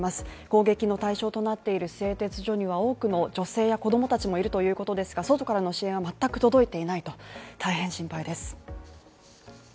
攻撃の対象となっている製鉄所には多くの女性や子供たちもいるということですが外からの支援は全く届いていないと、大変心配です。